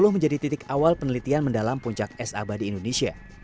sepuluh menjadi titik awal penelitian mendalam puncak es abadi indonesia